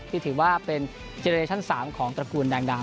ที่ถือว่าเป็นเจเรชั่น๓ของตระกูลแดงดา